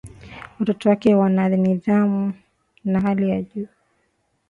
Watoto wake wana nidhamu ya hali ya juu